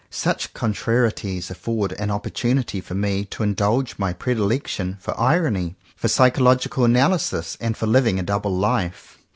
Such contrarieties afford an oppor tunity for me to indulge my predilection for irony, for psychological analysis, and for living a double life.